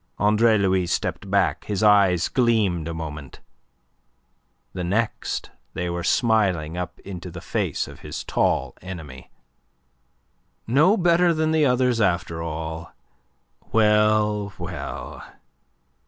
Andre Louis stepped back. His eyes gleamed a moment; the next they were smiling up into the face of his tall enemy. "No better than the others, after all! Well, well!